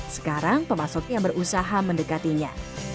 sekarang pemasoknya berusaha mendekatinya